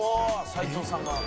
齋藤さんが」